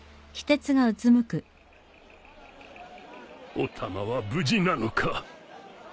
お玉は無事なのか